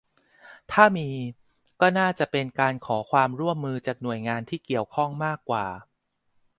ถ้ามี ก็น่าจะเป็นการขอความร่วมมือจากหน่วยงานที่เกี่ยวข้องมากกว่า